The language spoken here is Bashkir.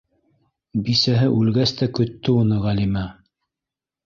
Бисәһе үлгәс тә көттө уны Ғәлимә.